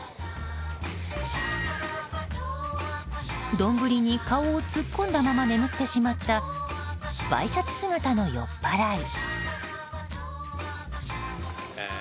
丼に顔を突っ込んだまま眠ってしまったワイシャツ姿の酔っ払い。